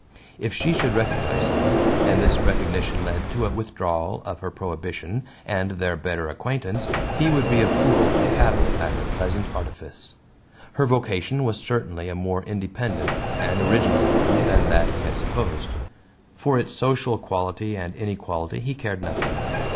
If she should recognize him, and this recognition led to a withdrawal of her prohibition, and their better acquaintance, he would be a fool to cavil at her pleasant artifice. Her vocation was certainly a more independent and original one than that he had supposed; for its social quality and inequality he cared nothing.